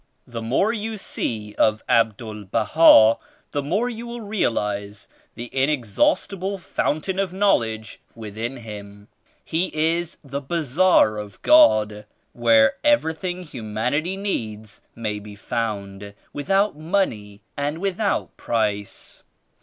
"The more you see of Abdul Baha, the more you will realize the inexhaustible fountain of Knowledge within him. He is the ^Bazaar' of God, where everything humanity needs may be found without money and without price.